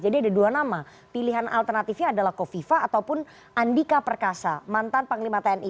jadi ada dua nama pilihan alternatifnya adalah kofifa ataupun andika perkasa mantan panglima tni